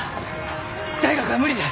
大学は無理じゃ！